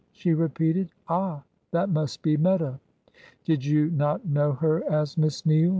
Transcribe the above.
she repeated. "Ah, that must be Meta." "Did you not know her as Miss Neale?"